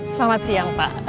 selamat siang pak